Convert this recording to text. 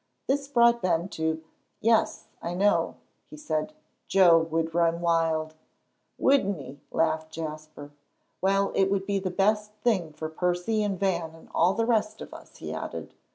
This brought Ben to. "Yes, I know," he said, "Joe would run wild." "Wouldn't he?" laughed Jasper. "Well, it would be the best thing for Percy and Van and all the rest of us," he added.